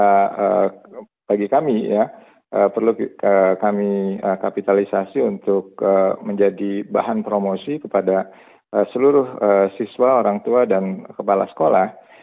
nah bagi kami ya perlu kami kapitalisasi untuk menjadi bahan promosi kepada seluruh siswa orang tua dan kepala sekolah